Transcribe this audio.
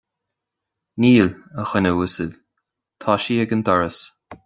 Níl, a dhuine uasail, tá sí ag an doras